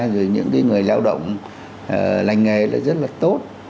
rồi những người lao động lành nghề là rất là tốt